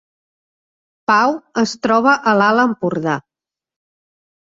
Pau es troba a l’Alt Empordà